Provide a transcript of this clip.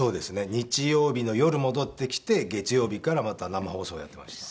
日曜日の夜戻ってきて月曜日からまた生放送をやってました。